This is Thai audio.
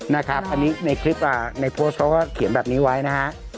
นะครับอันนี้ในคลิปในโพสต์เขาก็เขียนแบบนี้ไว้นะฮะ